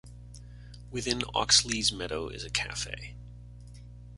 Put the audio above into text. Within Oxleas Meadow is a cafe.